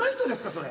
それ。